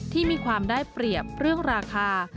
ที่มีความได้เปรียบเรื่องราคา